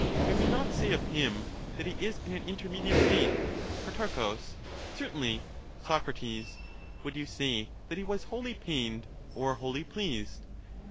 May we not say of him, that he is in an intermediate state ? Pro, Certainly. Soc. Would you say that he was wholly pained or wholly pleased